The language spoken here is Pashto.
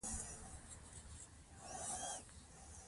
سیالي په ښو کارونو کې وکړئ.